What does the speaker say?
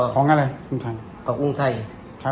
ของอะไรภูมิธรรมไทย